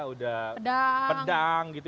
udah pedang gitu